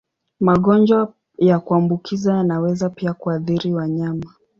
Magonjwa ya kuambukiza yanaweza pia kuathiri wanyama.